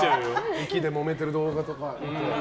駅で、もめてる動画とか。